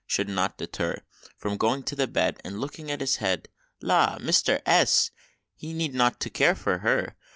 should not deter From going to the bed, And looking at the head: "La! Mister S , he need not care for her!